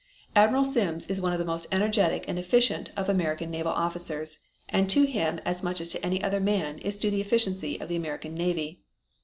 Admiral Sims is one of the most energetic and efficient of American naval officers and to him as much as to any other man is due the efficiency of the American Navy.